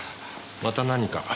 また何か？